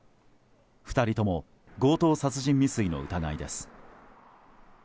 ２人とも強盗殺人未遂の疑いです。